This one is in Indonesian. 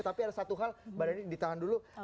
tapi ada satu hal mbak deni ditahan dulu